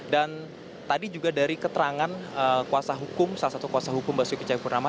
dan tadi juga dari keterangan kuasa hukum salah satu kuasa hukum basuki ceyapurnama